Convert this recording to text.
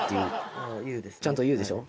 ちゃんと「Ｕ」でしょ？